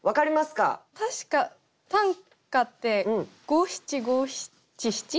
確か短歌って五七五七七？